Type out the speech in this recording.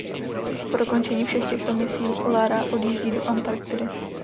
Po dokončení všech těchto misí Lara odjíždí do Antarktidy.